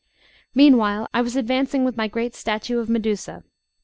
LXI MEANWHILE I was advancing with my great statue of Medusa.